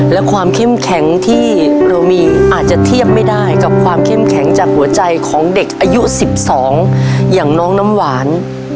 และความเข้มแข็งที่เรามีอาจจะเทียบไม่ได้กับความเข้มแข็งจากหัวใจของเด็กอายุ๑๒อย่างน้องน้ำหวาน